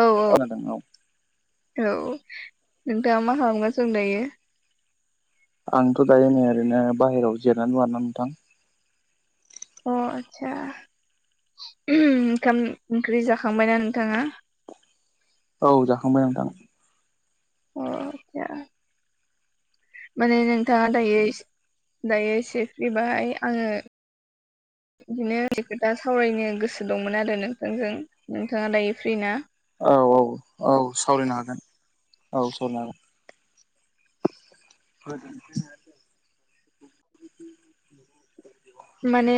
औ औ खोनादों औ औ नोंथाङा मा खालामगासिनो दं दायो आंथ' दायो ओरैनो बायहेरायाव जिरनानै दं आरोना नोंथां अ आतस्सा ओंखाम ओंख्रि जाखांबायना नोंथाङा? औ जाखांबाय नोंथां अ आदसा माने नोंथाङा दायो दायो सेफ्रि बाहाय आङो [inaudible] बिदिनो खोथा सावरायनो गोसो दंमोन आरो नोंथांजों नोंथाङा दायो फ्रि ना? औ औ औ सावरायनो हागोन औ सावरायनो हागोन फजोन माने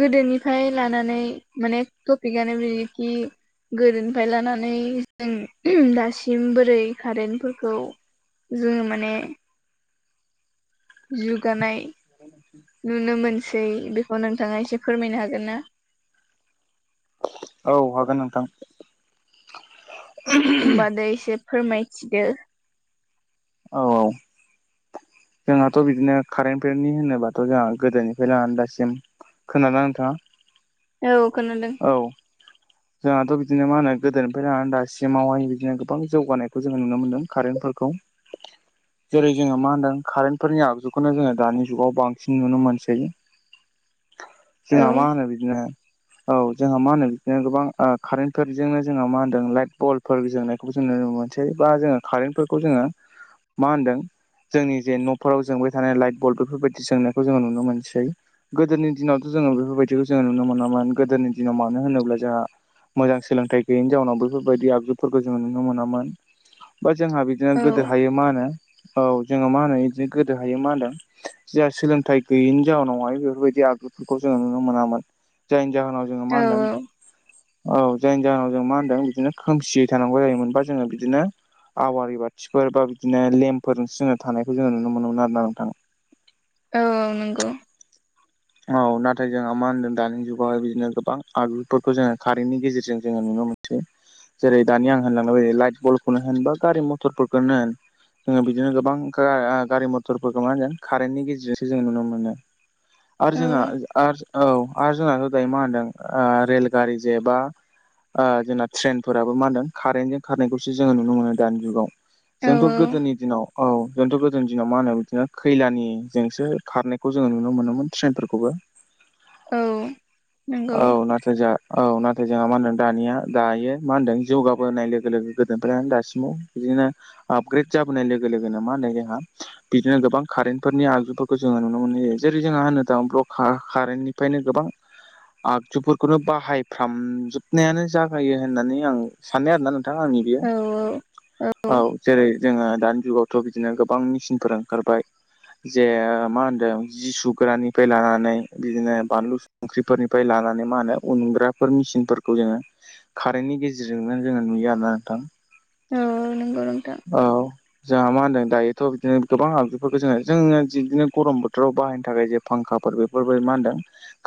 गोदोनिफ्राय लानानै माने टपिकआनो बियोखि गोरोनिफ्राय लानानै जों दासिम बोरै कारेन्टफोरखौ जोङो माने जुगानाय नुनो मोनसै बेखौ नोंथाङा एसे फोरमायनो हागोन ना? औ हागोन नोंथां होनबादो एसे फोरमायथिदो औ जोंहाथ' बिदिनो कारेन्ट पेरनि होनोबाथ' जोंहा गोदोनिफ्राय लानानै दासिम खोनादों ना नोंथाङा? औ खोनादों औ जोंहाथ' बिदिनो मा होनो गोदोनिफ्राय लानानै दासिमावहाय बिदिनो गोबां जौगानायखौ जोङो नुनो मोनदों कारेन्टफोरखौ [inaudible] जेरै जोङो मा होनदों कारेन्टफोरनि आगजुखौनो जोङो दानि जुगाव बांसिन नुनो मोनसै औ जों मा होनो बिदिनोहाय औ जोंहा मा होनदों बिदिनो गोबां कारेन्टफोरजोंनो जोंहा मा होनदों लाइट बल्फोरजोंनो खौ जोङो मोनसे बा जोङो कारेनफोरखौ जोङो मा होनदों जोंनि जे न' फोराव जोंबाय थानाय लाइट बल बेफोरबायदि जोंनायखौ जोङो नुनो मोनसै। गोदोनि दिनावथ' जोङो बेफोरबायदिखौ जोङो नुनो मोनामोन गोदोनि दिनाव मानो होनोब्ला जोंहा मोजां सोलोंथाइ गैयैनि जाउनाव बेफोरबायदि आगजुफोरखौ जोङो नुनो मोनामोन बा जोंहा बिदिनो औ गोदो हायो मा होनो औ जोङो मा होनो बिदिनो गोदो हायो मा होनदों जोंहा सोलोंथाइ गैयिनि जााहोनावहाय बेफोरबायदि आदबफोरखौ जोङो नुनो मोनामोन। जायनि जाहोनाव जोङो मा औ होनदों औ जायनि जाहोनाव जों मा होनदों बिदिनो खोमसियै थानांगौ जायोमोनबा जोङो बिदिनो आवारि बाथिफोर बा बिदिनो लेम्पफोरजोंसो जोङो थानायखौ जोङो नुनो मोनोमोन आरो ना नोंथां। औ-औ नंगौ। औ नाथाय जोंहा मा होनदों दानि जुगावहाय बिदिनो गोबां आगजुफोरखौ जोङो कारेन्टनि गेजेरजों जोङो नुनो मोन जे जेरै दानि आं होनलांनाय ब लाइट बलखौनो होन बा गारि मथरफोरखौनो होन जोङो बिदिनो गोबां गा आं गारि मथरफोरखौ मा होनदों कारेन्टनि गेजेरजोंसो जों नुनो मोनो। आरो औ जोंहा आर औ आरो जोंहा [unintelligible] दाय मा होनदों रेलगारि जे बा ओ जोंना ट्रेनफोराबो मा होनदों कारेन्टजों खारनायखौसो जोङो नुनो मोनो दानि जुगाव। औ जोंथ' गोदोनि दिनाव औ जोंथ' गोदोनि दिनाव मा होनो बिदिनो खैलानि जोंसो खारनायखौ जोङो नुनो मोनोमोन। ट्रेनफोरखौबो। औ। औ नंगौ नाथाय जा औ नाथाय जोंहा मा होनदों दानिया दायो मा होनदों जौगाबोनाय लोगो-लोगो गोदोनिफ्रायानो दासिमाव बिदिनो आपग्रेड जाबोनाय लोगो लोगोनो मा होनदों जोंहा बिदिनो गोबां कारेन्टफोरनि आगजुफोरखौ जोङो नुनो मोननाय जायो। जेरै जोंहा होनो थां [unintelligible] कारेन्टनिफ्रायनो गोबां आगजुफोरखौनो बाहायफ्रामजोबनायानो जागायो होननानै आं साननाय आरोना नोंथां आंनि बेयो औ औ औ जेरै जोङो दानि जुगावथ' बि बिदिनो गोबां मेचिनफोर ओंखारबाय जे मा होनदों जि सुगोरानिफ्राय लानानै बिदिनो बानलु संख्रिफोरनि बे लानानै मा होनो उनग्राफोर मिसिनफोरखौ जोङो खारेननि गेजेरजोंनो जोङो नुयो आरोना नोंथां औ नंगौ नोंथां औ। जोंहा मा होनदों दायोथ' बिदिनो गोबां आगजुफोरखौ जोङो-जोङो बिदिनो गरम बोथोराव बाहायनो थाखाय जे फांखाफोर बेफोरबायदि मा होनदों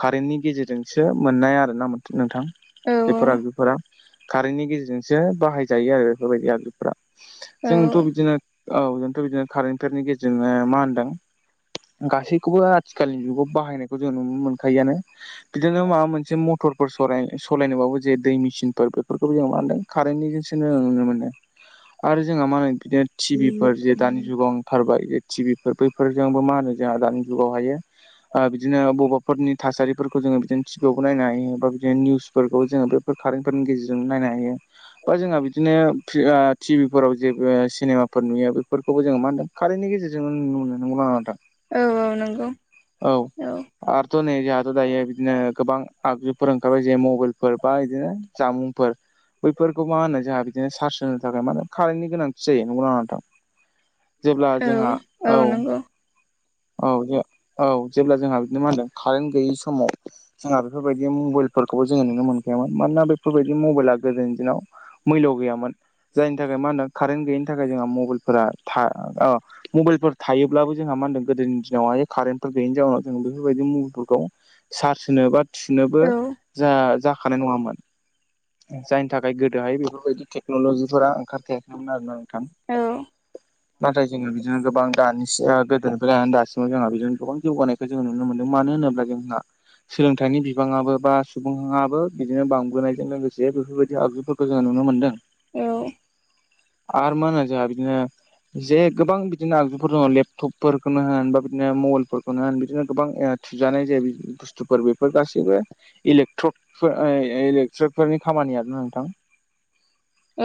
कारेन्टनि गेजेरजोंसो मोननाय आरो ना मो नोंथां औ बेफोर आगजुफोरा कारेन्टनि गेजेरजोंसो बाहायजायो आरो बेफोरबायदि आगजुफोरा। औ जोंथ' बिदिनो औ जोंथ' बिदिनो कारेन्टफोरनि गेजेरजोंनो मा होनदों गासैखौबो आथिखालनि जुगाव बाहायनायखौ जों नुनो मोनखायोआनो। बिदिनो माबा मोनसे मथर फोर सराय सलायनोबाबो जे दै मेसिनफोर बेफोरखौबो जों मा होनदों कारेन्टनिजोंसो नुनो मोनो। आरो जोंहा मा होनो बिदिनो टिभि फोर जे दानि जुगाव ओंखारबाय जे टिभि फोर बै फोरजोंबो मा होनो जोंहा दानि जुगाव हायो बिदिनो बबाफोरनि थासारिफोर खौ जोङो बिदिनो टिभिआव खौ नायनो हायो बा बिदिनो निउसफोरखौ जोङो बेफोर कारेन्टफोरनि गेजेरजों नायनो हायो। बा जोंहा बिदिनो फ्रि ओ टिभिफोराव जे बो ओ सिनेमाफोर नुयो बेफोरखौबो जोङो मा होनदों खारेननि गेजेरजों नुनो मोनो नंगौ ना नङा नोंथां। औ औ नंगौ औ औ। आरोथ' नै जोंहाथ' दायो बिदिनो गोबां आगजुफोर ओंखारबाय जे मबाइलफोर बा बिदिनो जामुंफोर बैफोरखौ मा होनो जोंहा बिदिनो चार्ज होनो थाखाय मा कारेन्टनि गोनांथि जायो नंगौ ना नङा नोंथां। जेब्ला औ जोंहा औ औ ज औ जेब्ला जोंहा बिदिनो मा होनदों कारेन्ट गैयि समाव जोंहा बेफोरबायदि मबाइलफोरखौबो जोङो नुनो मोनखायामोन मानोना बेफोरबायदि मबाइला गोदोनि दिनाव मैल' गैयामोन जायनि थाखाय मा होनो कारेन्ट गैयिनि थाखाय जोंहा मबाइलफोरा था मबेइलफोर थायोब्लाबो जोंहा मा होनदों गोदोनि दिनावहाय कारेन्टफोर गैयैनि जाउनाव जों बेफोरबायदि मुभिफोरखौ चार्ज होनो बा थिनोबो औ जा जाखानाय नङामोन। जायनि थाखाय गोदोहाय बेफोरबायदि टेक्न'लजिफोरा ओंखारथाखैमोन आर ना नोंथां। औ। नाथाय जोङो बिदिनो गोबां दानि सि ओ [unintelligible] दासिमाव जोंहा बिजोंनो गोबां जौगानायखौ जोंङो नुनो मोनदों मानो होनोब्ला जोंहा सोलोंथाइनि बिबाङाबो बा सुबुङाबो बिदिनो बांबोनायजों लोगोसे बेफोरबायदि आगजुफोर [unintelligible] जोङो नुनो मोन्दों। औ आरो मा होनो जोंहा बिदिनो जे गोबां बिदिनो आगजुफोर दङ लेपटप फोरखौनो होन बा बिदिनो मबाइल बुस्थुफोर बेफोर गासैबो इलेक्ट्र [unintelligible] इलेक्ट्र फोरनि खामानि आरो नोंथां‌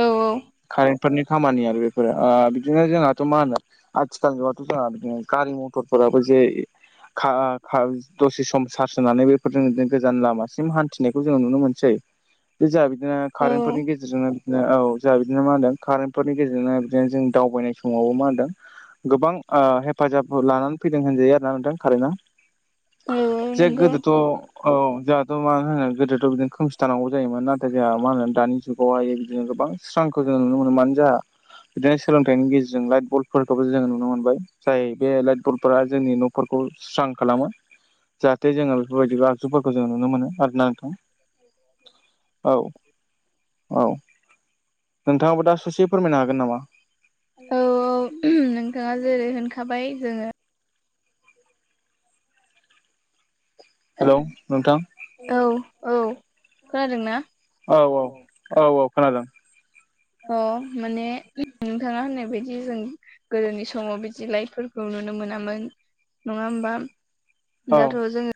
औ औ कारेन्टफोरनि खामानि आरो बेफोरो ओ बिदिनो जोंहाथ' मा होनो आथिखाल जुगावथ' जाहा गारि मथरफोराबो जे खा [unintelligible] दसे सम सार्स होनानै बेफोरजों गोजान लामासिम हान्थिनायखौ जोङो नुनो मोनसै बे जाहा बिदिनो कारेन्टफोरनि गेजेरजोंनो औ जोंहा बिदिनो मा होनदों कारेन्टफोरनि गेजेरना बिदिनो जों दावबायनाय समावबो मा होनदों गोबां ओ हेफाजाब लानानै फैदों होनजायो आरो ना नोंथां कारेन्टआ जे नंगौ गोदोथ' औ जोंहाथ' मा होनो गोदोथ' बिदिनो खोमसि थानांगौ जायोमोन नाथाय जोंहा मा होनो दानि जुगावहायो बिदिनो गोबां स्रांखौ जोङो नुनो मोनो मानो जोंहा बिदिनो सोलोंथाइनि गेजेरजों लाइट बलफोरखौबो जोङो नुनो मोनबाय। जाय बे लाइट बलफोरा जोंनि न'फोरखौ सुस्रां खालामो जाहाथे जोङो बेफोरबायदिबो आगजुफोरखौ जों नुनो मोनो आरो नांथां। औ औ नोंथाङाबो दा ससे फोरमायनो हागोन नामा? औ औ नोंथाङा जेरै होनखाबाय जोङो हेलौ नोंथां? औ औ खोनादों ना? औ औ औ औ खोनादों। अ माने नोंथाङा होननाय बायदि जों गोदोनि समाव बिदि लाइटफोरखौ नुनो मोनामोन नङा होमबा? औ दाथ' जोङो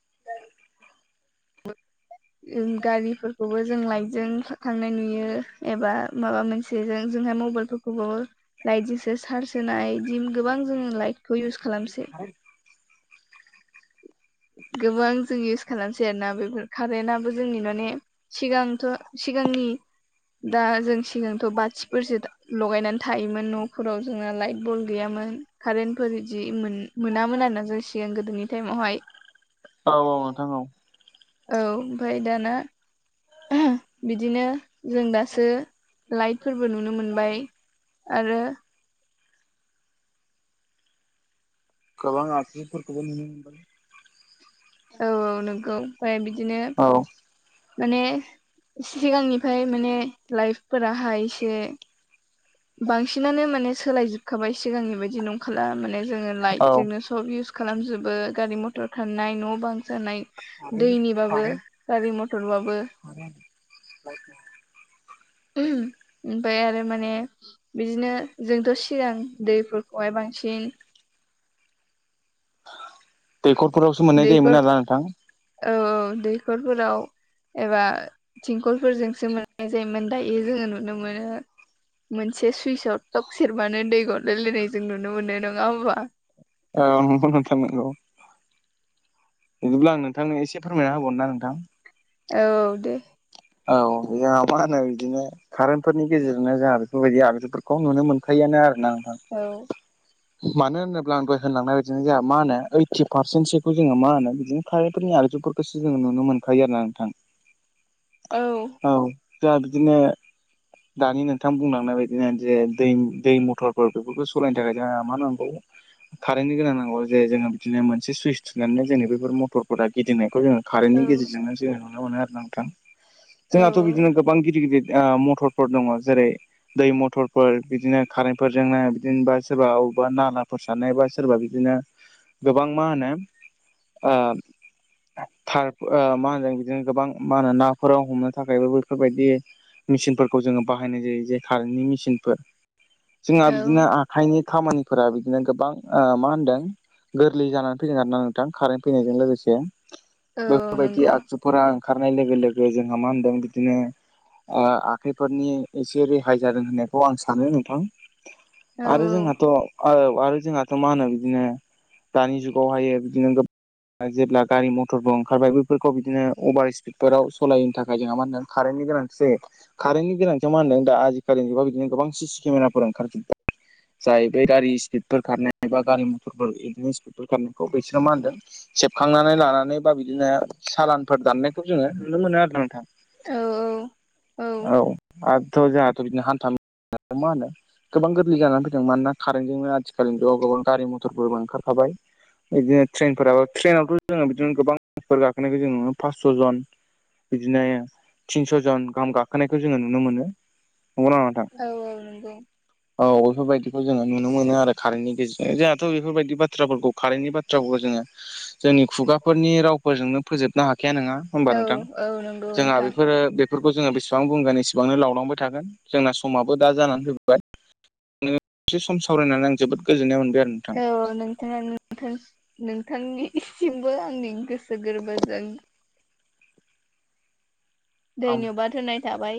[unintelligible] गारिफोरखौबो जों लाइटजों थांनाय नुयो एबा माबा मोनसेजों जोंहा मबेइलफोरखौ गोबाव लाइटजोंसो चार्ज होनाय बिदि गोबां जोङो लाइटखौ इउस खालामसै। [unintelligible] गोबां जों इउस खालामसै आरोना बेफोर कारेन्तआबो जोंनि [unintelligible] ने सिगांथ' सिगांनि दा जों सिगांथ' बाथिफोरसो लगायनानै थायोमोन न'फोराव जोंना लाइट बल गैयामोन कारेन्टफोर इदि मोनामोन आरोना जों सिगां गोदोनि टाइमावहाय। औ औ नोंथां औ औ ओमफाय दाना [unintelligible] बिदिनो जों दासो लाइटफोरबो नुनो मोनबाय। आरो गोबां आगजुफोरखौबो नुनो मोनो [unintelligible] औ औ नंगौ ओमफ्राय बिदिनो। औ माने सिगांनिफ्राय माने लाइफफोराहाय एसे बांसिनानो माने सोलायजोबखाबाय सिगांनि बायदि नंखाला माने जोङो लाइट औ जोंनो सब इउस खालामजोबो गारि मथर खारनाय न' बां जानाय। दैनिबाबो गारि मथरबाबो ओमफफ्राय आरो माने बिदिनो जोंथ' सिगां दैफोरखौहाय बांसिन दैखरफोरावसो मोननाय दैखर जायोमोन आरोना नोंथां। औ औ दैखरफोराव एबा थिंखलफोरजोंसो जायोमोन दायो जोङो नुनो मोनो मोनसे [unintelligible] सुइसआव थट सेरबानो दै गदलायलायनाय जों नुनो मोननाय नङा होमबा? औ नोंगौ नोंथां नोंगौ बिदिब्ला आं नोंथांनो एसे फोरमायना होबावनो ना नोंथां? औ दे औ जाहा मा होनो बिदिनो कारेन्टफोरनि गेजेरजोंनो जोंहा बेफोरबायदि आगजुफोरखौ नुनो मोनखायो यानो आरो ना नोंथां। औ। मानो होनोब्ला आंबो होनलांनाय बायदिनो जोंहा मा होनो ओइटि पारसेन्टसोखौ जोङो मा होनो बिदिनो [unintelligible] आगजुफोरखौसो जोङो नुनो मोनखायो आरोना नोंथां। औ औ द बिदिनो। दानि नोंथां बुंलांनाय बायदिनो जे दै मथरफोर बेफोरखौ सालायनो थाखाय जोंहा मा नांगौ कारेन्टनि गोनां नांगौ जे जोङो बिदिनो मोनसे सुइस थुनानैनो जोङो बेफोर मटरफोरा गिदिंनायखौ जोङो कारेन्टनि औ गेजेरजोंनो जोङो नुनो मोनो आरो नोंथां। औ जोंहाथ' बिदिनो गोबां गिदिर गिदिर मथर दङ' जेरै, दै मथरफोर बिदिनो कारेन्टफोरजोंनो बिदिनोबा सोरबा बबेावबा नालाफोर सारनाय बा सोरबा बिदिनो गोबां मा होनो ओ थार मा होनदों बिदिनो गोबां मा होनो नाफोर हमनो थाखायबो बेफोरबायदि मेचिनफोरखौ जोङो बाहायनाय जायो। जे कारेन्टनि मेसिन फोर जोंहा औ बिदिनो आ हायनि खामानिफोरा बिदिनो गोबां मा होनदों गोरलै जानानै फैदों आरोना नोंथां कारेन्ट फैनायजों लोगोसे। औ बेफोरबायदि नंगौ आगजुफोरा ओंखारनाय लोगो लोगो जोंहा मा होनदों बिदिनो ओ फोरनि एसे रेहाय जादों होननायखौ आं सानो नोंथां। औ आरो जोंहाथ' आरो जोंहाथ' मा होनो बिदिनो दानि जुगावहायो बिदिनो गोबां जेब्ला गारि मथरबो ओंखारबाय बेफोरखौ बिदिनो अभार स्पिडफोराव सालायनो थाखाय जोंहा मा होनदों खारेननि गोनांथि जायो। कारेन्टनि गोनांथियाव मा होनदों द आजिखालि जुगाव बिदिनो गोबां सिसि केमेराफोर ओंखारजोबदों। जाय बे गारि स्पिडफोर खारनाय बा गारि मथरफोर बिदिनो स्पिडफोर खारनायखौ बिसोरो मा होनदों सेबखांनानै लानानै बा बिदिनो सालानफोर दाननायखौ जोङो नुनो मोनो आरो नोंथां। औ औ। औ आरोथ' जोंहाथ' बिदिनो हान्था मेला मा होनो गोबां गोरलै जानानै फैदों मानोना कारेन्टजोंनो आथिखालनि जाव गोबां गारि मथरफोरबो ओंखारखाबाय। बिदिनो ट्रेननफोराबो ट्रेननावथ' जोङो बिदिनो गोबां फोर गाखोनायखौ जोङो नुयो फासस' जन बिदिनो थिनस' जन गाहाम गाख खानायखौ जोङो नुनो मोनो नंगौ ना नोंथां। औ नंगौ औफोर बदि जोङो नुनो मोनो आरो कारेन्टनि गेजेरजों जोंहाथ' बेफोरबायदि बाथ्राफोरखौ कारेन्टनि बाथ्राफोरखौ जोङो जोंनि खुगाफोरनि रावफोरजोंनो फोजोबनो हाखाया नङा होमबा औ नोंथां औ नंगौ जोंहा नोंथां बेफोरो बेफोरखौ जोङो बेसेबां बुंगोन इसेबांनो लावलांबाय थागोन जोंना समाबो दा जानानै फैबाय। [unintelligible] एसे सम सावरायनानै आं जोबोद गोजोननाय मोनबाय आरो नोंथां औ नोंथां। नोंथांनिसिमबो आंनि गोसो गोरबोजों धन्यबाद होनाय थाबाय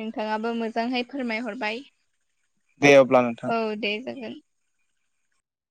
नोंथाङाबो मोजांहै फोरमायहरबाय दे अब्ला नोंथां औ दे जागोन।